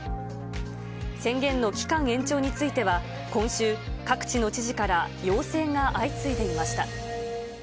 宣言の期間延長については、今週、各地の知事から要請が相次いでいました。